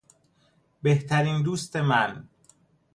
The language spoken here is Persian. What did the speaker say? بهترین دوست من